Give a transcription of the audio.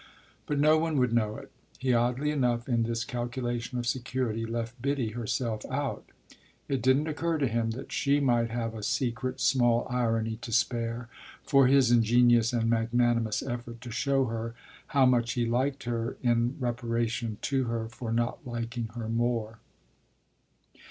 But no one would know it: he oddly enough in this calculation of security left Biddy herself out. It didn't occur to him that she might have a secret, small irony to spare for his ingenious and magnanimous effort to show her how much he liked her in reparation to her for not liking her more.